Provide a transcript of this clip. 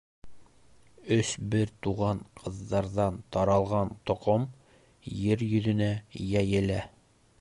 Өс бер туған ҡыҙҙарҙан таралған тоҡом ер йөҙөнә йәйелә.